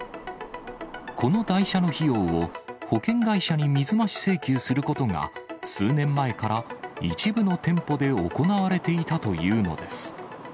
この代車の費用を保険会社に水増し請求することが、数年前から一部の店舗で行われていたというのです。